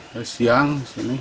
ke siang kesini